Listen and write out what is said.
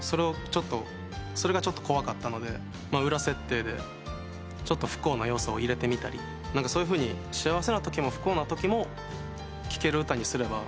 それがちょっと怖かったので裏設定でちょっと不幸な要素を入れてみたりそういうふうに幸せなときも不幸なときも聴ける歌にすれば。